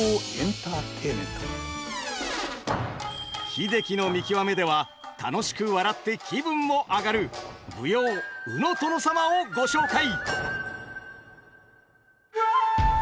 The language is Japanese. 「英樹の見きわめ」では楽しく笑って気分も上がる舞踊「鵜の殿様」をご紹介！